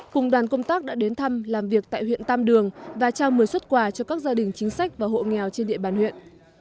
cùng đoàn công tác đã đến thăm làm việc tại huyện tam đường và trao một mươi xuất quà cho các gia đình chính sách và hộ nghèo trên địa bàn huyện